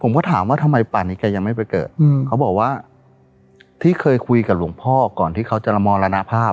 ผมก็ถามว่าทำไมป่านนี้แกยังไม่ไปเกิดเขาบอกว่าที่เคยคุยกับหลวงพ่อก่อนที่เขาจะละมรณภาพ